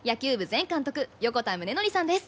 前監督横田宗典さんです